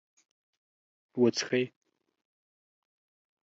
.وڅښئ